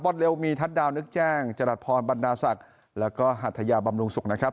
เร็วมีทัศน์ดาวนึกแจ้งจรัสพรบรรดาศักดิ์แล้วก็หัทยาบำรุงศุกร์นะครับ